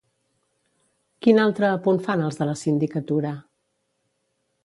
Quin altre apunt fan els de la Sindicatura?